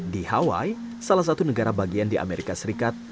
di hawaii salah satu negara bagian di amerika serikat